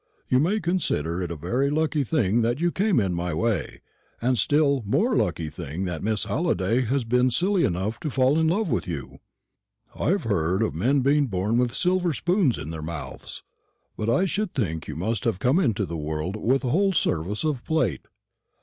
You may consider it a very lucky thing that you came in my way, and a still more lucky thing that Miss Halliday has been silly enough to fall in love with you. I've heard of men being born with silver spoons in their mouths; but I should think you must have come into the world with a whole service of plate.